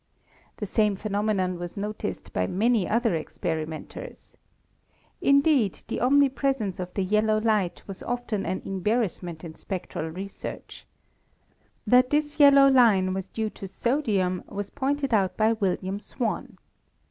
The same phenomenon was noticed by many other experimenters. Indeed, the omnipresence of the yellow light was often an embarrassment in spectral re search. That this yellow line was due to sodium was pointed out by William Swan.